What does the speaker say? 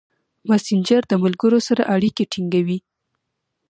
مسېنجر د ملګرو سره اړیکې ټینګوي.